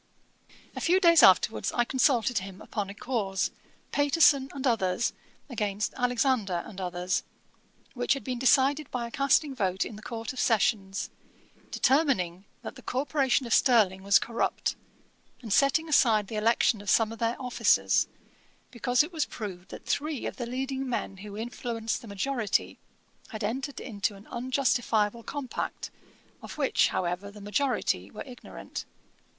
A few days afterwards I consulted him upon a cause, Paterson and others against Alexander and others, which had been decided by a casting vote in the Court of Session, determining that the Corporation of Stirling was corrupt, and setting aside the election of some of their officers, because it was proved that three of the leading men who influenced the majority had entered into an unjustifiable compact, of which, however, the majority were ignorant.